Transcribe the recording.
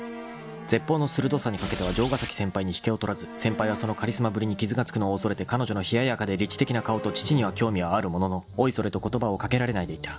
［舌鋒の鋭さにかけては城ヶ崎先輩に引けを取らず先輩はそのカリスマぶりに傷が付くのを恐れて彼女の冷ややかで理知的な顔と乳には興味はあるもののおいそれと言葉を掛けられないでいた］